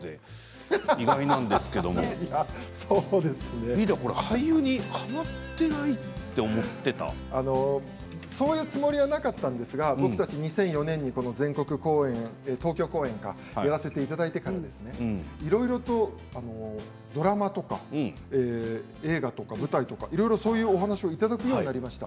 意外ですけれども俳優にはまっていないってそういうつもりはなかったんですが僕たち２００４年に全国公演で東京公演やらせていただいてからいろいろドラマとか映画とか舞台とかそういうお話をいただくようになりました。